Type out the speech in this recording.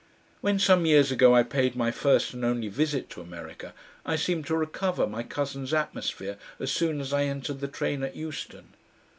When some years ago I paid my first and only visit to America I seemed to recover my cousins' atmosphere as soon as I entered the train at Euston.